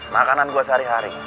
makanan gue sehari hari